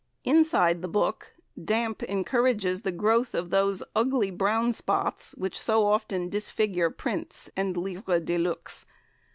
Inside the book, damp encourages the growth of those ugly brown spots which so often disfigure prints and "livres de luxe."